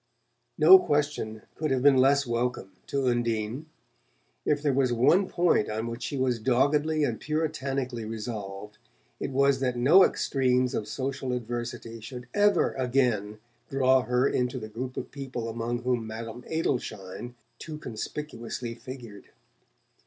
No question could have been less welcome to Undine. If there was one point on which she was doggedly and puritanically resolved, it was that no extremes of social adversity should ever again draw her into the group of people among whom Madame Adelschein too conspicuously figured.